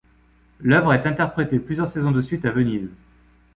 L'œuvre est interprétée plusieurs saisons de suite à Venise.